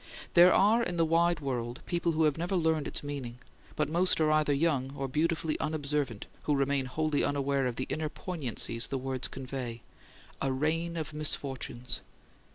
There are in the wide world people who have never learned its meaning; but most are either young or beautifully unobservant who remain wholly unaware of the inner poignancies the words convey: "a rain of misfortunes."